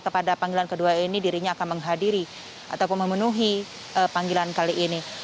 pada panggilan kedua ini dirinya akan menghadiri ataupun memenuhi panggilan kali ini